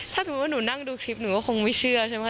ถ้าสมมุติว่าหนูนั่งดูคลิปหนูก็คงไม่เชื่อใช่ไหม